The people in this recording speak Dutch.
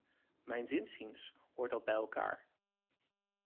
Mijns inziens hoort dat bij elkaar.